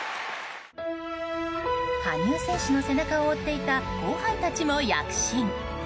羽生選手の背中を追っていた後輩たちも躍進。